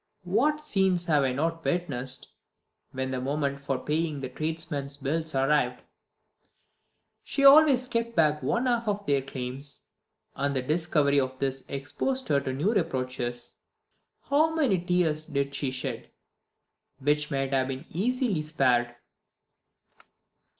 What scenes have I not witnessed when the moment for paying the tradesmen's bills arrived! She always kept back one half of their claims, and the discovery of this exposed her to new reproaches. How many tears did she shed which might have been easily spared!